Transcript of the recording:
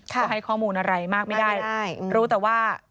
ก็ให้ข้อมูลอะไรมากไม่ได้รู้แต่ว่า